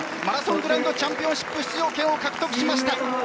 マラソングランドチャンピオンシップの出場権を獲得しました。